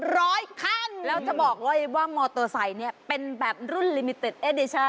ร้อยคันแล้วจะบอกเลยว่ามอเตอร์ไซค์เนี่ยเป็นแบบรุ่นลิมิเต็ดเอเดชั่น